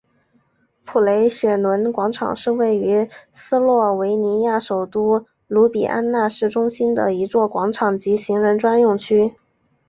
普雷雪伦广场是位于斯洛维尼亚首都卢比安纳市中心的一座广场及行人专用区。